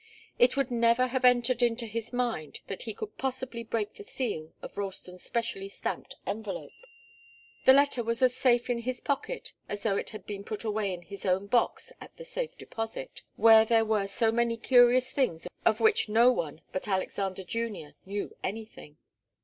It would never have entered into his mind that he could possibly break the seal of Ralston's specially stamped envelope. The letter was as safe in his pocket as though it had been put away in his own box at the Safe Deposit where there were so many curious things of which no one but Alexander Junior knew anything.